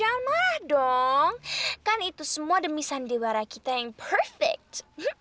ya mah dong kan itu semua demi sandiwara kita yang perfect